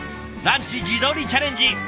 ランチ自撮りチャレンジ